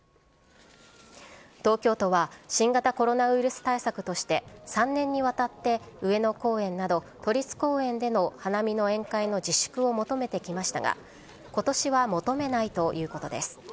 東京都は、新型コロナウイルス対策として、３年にわたって上野公園など、都立公園での花見の宴会の自粛を求めてきましたが、ことしは求めないということです。